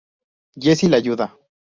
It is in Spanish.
Jessie la ayuda.